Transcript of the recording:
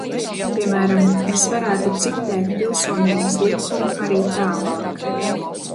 Piemēram, es varētu citēt Pilsonības likumu arī tālāk.